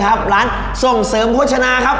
ร้านทรงเสริมโภชนาครับ